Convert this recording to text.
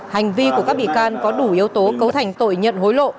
hành vi của các bị can có đủ yếu tố cấu thành tội nhận hối lộ